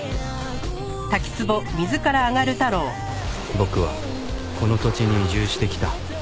僕はこの土地に移住してきた